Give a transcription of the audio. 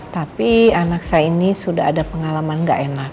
tapi anak saya ini sudah ada pengalaman gak enak